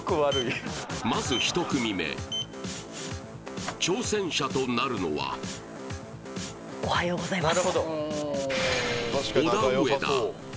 まず１組目挑戦者となるのはおはようございます